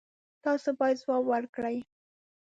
تاسو باید ځواب ورکړئ.